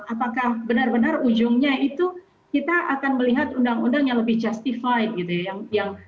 apakah benar benar ujungnya itu kita akan melihat undang undang yang lebih justifikasi